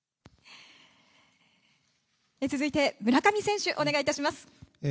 続いて村上選手お願いします。